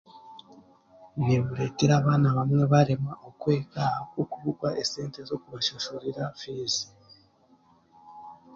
Nibureetera abaana bamwe baareema okwega aha bw'okubugwa esente z'okubashashurira fiizi